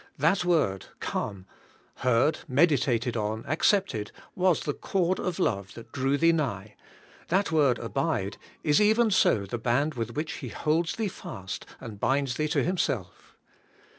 That word, Come, heard, meditated on, accepted, was the cord of love that drew thee nigh ; that word Abide is even so the band with which He holds thee fast and binds thee to Himself.